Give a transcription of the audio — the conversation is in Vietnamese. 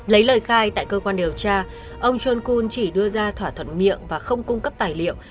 lấy lời khai tại cơ quan điều tra ông john kun chỉ đưa ra thỏa thuận miệng và không cung cấp tài liệu